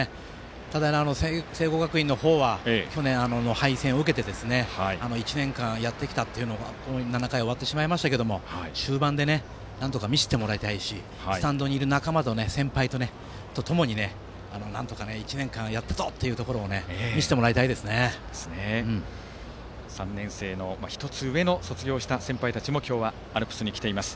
ただ、聖光学院は去年の敗戦を受けて１年間やってきたというのがもう７回終わってしまいましたが終盤でなんとか見せてもらいたいしスタンドにいる仲間、先輩とともになんとか１年間やったぞというところを３年生の１つ上の卒業した先輩たちも今日はアルプスに来ています。